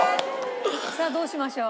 さあどうしましょう。